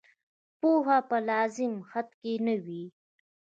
پوهه په لازم حد کې نه وي.